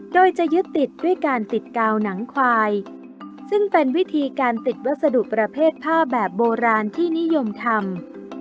โดยจะยึดติดด้วยการติดกาวหนังควายซึ่งเป็นวิธีการติดวัสดุประเภทผ้าแบบโบราณที่นิยมทำ